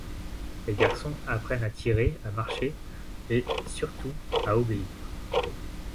Les garçons apprennent à tirer, à marcher et — surtout — à obéir.